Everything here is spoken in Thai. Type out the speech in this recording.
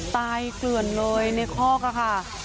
ตายเกลือนเลยในคอกค่ะค่ะ